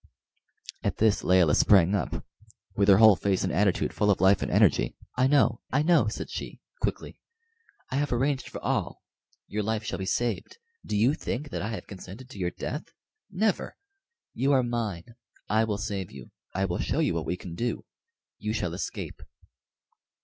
At this Layelah sprang up, with her whole face and attitude full of life and energy. "I know, I know," said she, quickly; "I have arranged for all. Your life shall be saved. Do you think that I have consented to your death? Never! You are mine. I will save you. I will show you what we can do. You shall escape."